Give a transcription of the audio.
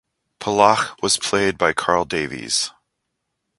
Palach was played by Karl Davies.